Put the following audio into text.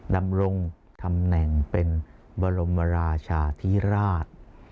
ดำรงตำแหน่งเป็นบรมราชาธิราช